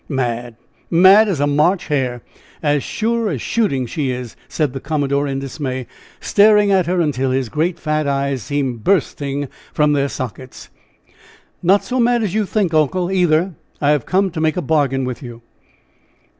"Mad! Mad as a March hare! As sure as shooting she is!" said the commodore in dismay, staring at her until his great, fat eyes seemed bursting from their sockets. "Not so mad as you think, uncle, either. I have come to make a bargain with you."